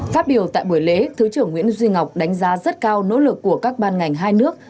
phát biểu tại buổi lễ thứ trưởng nguyễn duy ngọc đánh giá rất cao nỗ lực của các ban ngành hai nước